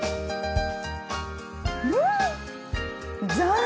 うん！